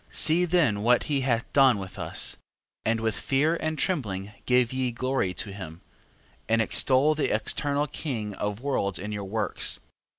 13:6. See then what he hath done with us, and with fear and trembling give ye glory to him: and extol the eternal King of worlds in your works.